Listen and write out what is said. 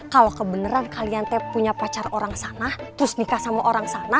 kalau kebenaran kalian punya pacar orang sana terus nikah sama orang sana